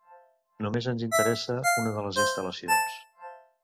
Només ens interessa una de les instal·lacions.